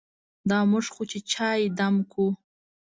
دا موږ خو چې چای دم کوو.